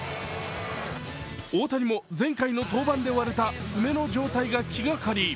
大谷も前回の登板で割れた爪の状態が気がかり。